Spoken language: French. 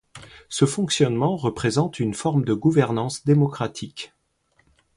Ce fonctionnement représente une forme de gouvernance démocratique.